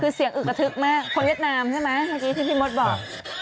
คือเสียงอึกอทึกคนเย็ดนามใช่ไหมที่พี่มถบอก